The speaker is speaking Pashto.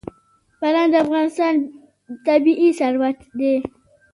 باران د افغانستان طبعي ثروت دی.